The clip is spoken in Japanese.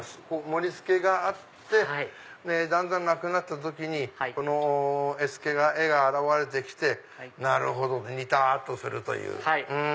盛り付けがあってだんだんなくなった時にこの絵付けが現れて来てなるほどねにたっとするという。